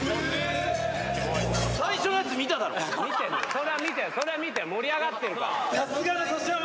それは見てるそれは見てる盛り上がってるから。